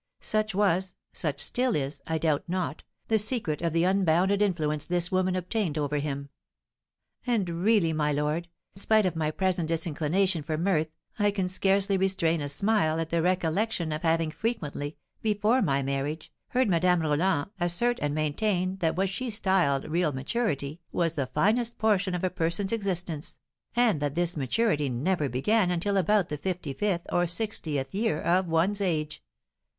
Such was such still is, I doubt not the secret of the unbounded influence this woman obtained over him. And really, my lord, spite of my present disinclination for mirth, I can scarcely restrain a smile at the recollection of having frequently, before my marriage, heard Madame Roland assert and maintain that what she styled real maturity was the finest portion of a person's existence, and that this maturity never began until about the fifty fifth or sixtieth year of one's age."